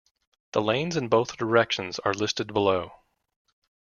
The lanes in both directions are listed below.